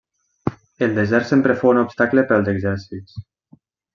El desert sempre fou un obstacle per als exèrcits.